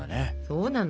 そうなのよ。